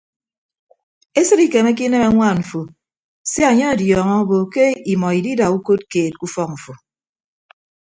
Esịd ikemeke inem añwaan mfo sia anye ọdiọñọ obo ke imọ idida ukod keed ke ufọk mfo.